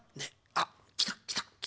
あっきたきたきた。